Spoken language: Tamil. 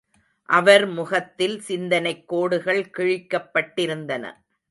அவர் முகத்தில் சிந்தனைக் கோடுகள் கிழிக்கப்பட்டிருந்தன.